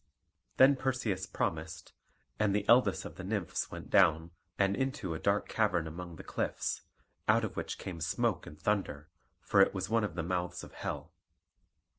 Then Perseus promised, and the eldest of the Nymphs went down, and into a dark cavern among the cliffs, out of which came smoke and thunder, for it was one of the mouths of hell.